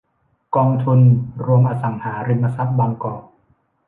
กองทุนรวมอสังหาริมทรัพย์บางกอก